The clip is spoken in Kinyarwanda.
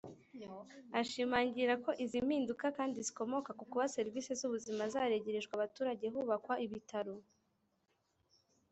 Ashimangira ko izi mpinduka kandi zikomoka ku kuba serivisi z’ubuzima zaregerejwe abaturage hubakwa ibitaro